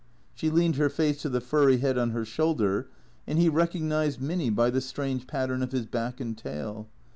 She leaned her face to the furry head on her shoulder, and he recognized Minny by the strange pattern of his back and tail.